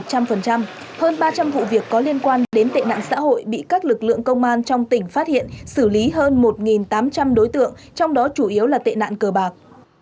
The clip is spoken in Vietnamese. hơn ba trăm linh vụ việc có liên quan đến tệ nạn xã hội bị các lực lượng công an trong tỉnh phát hiện xử lý hơn một tám trăm linh đối tượng trong đó chủ yếu là tệ nạn cờ bạc